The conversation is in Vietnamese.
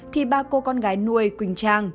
thì ba cô con gái nuôi quỳnh trang